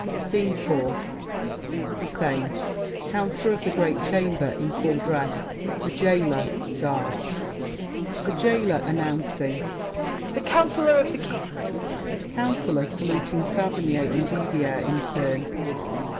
SCENE IV The same. Councilor of the Great Chamber, in full dress, The Jailer, Guards THE JAILER (announcing). The Councilor of the King! COUNCILOR (saluting Saverny and Didier in turn).